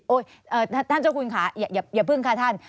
ท่านเจ้าคุณค่ะอย่าพึ่งค่ะท่าน